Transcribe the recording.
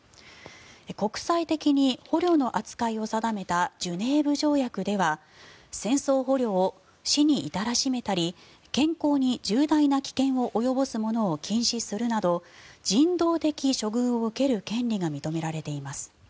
国際的に捕虜の扱いを定めたジュネーブ条約では戦争捕虜を死に至らしめたり健康に重大な危険を及ぼすものを禁止するなど人道的処遇を受ける権利が認められています。